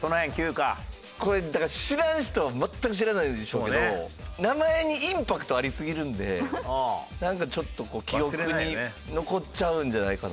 これだから知らん人は全く知らないでしょうけど名前にインパクトありすぎるんでなんかちょっと記憶に残っちゃうんじゃないかな。